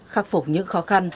khắc phổng những khó khăn